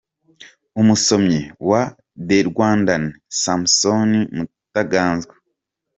Umusomyi wa The Rwandan : Samson Mutaganzwa